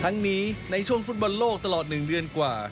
ทั้งนี้ในช่วงฟุตบอลโลกตลอด๑เดือนกว่า